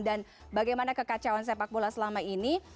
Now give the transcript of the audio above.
dan bagaimana kekacauan sepak bola selama ini